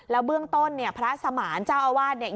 แล้วเบื้องต้นพระสมาร์นเจ้าอาวาส